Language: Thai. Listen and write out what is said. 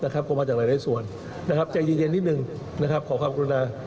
ก็มาจากหลายส่วนใจเย็นนิดนึงขอความกรุณา